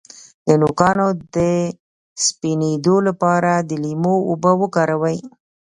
د نوکانو د سپینیدو لپاره د لیمو اوبه وکاروئ